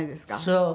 そう。